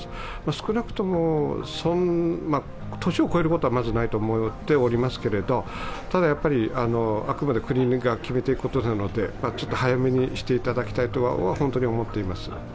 少なくとも年を越えることはまずないと思っておりますけどもただ、あくまで国が決めていくことなので、ちょっと早めにしていただきたいとは本当に思っています。